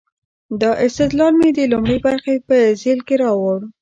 دا استدلال مې د لومړۍ برخې په ذیل کې راوړ.